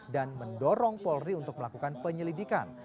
dan mendorong polri untuk melakukan penyelidikan